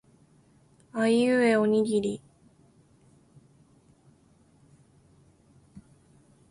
あいうえおにぎり